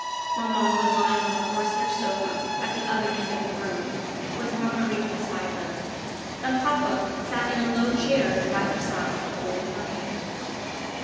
Maman was lying on a horsehair sofa at the other end of the room, with Marguerite beside her, and papa sat in a low chair by her side, holding her hand.